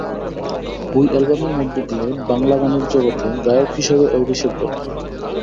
ওই অ্যালবামের মধ্য দিয়ে বাংলা গানের জগতে গায়ক হিসেবে অভিষেক ঘটে।